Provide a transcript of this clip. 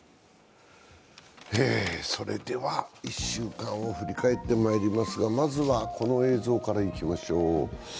それでは１週間を振り返ってまいりますがまずはこの映像からいきましょう。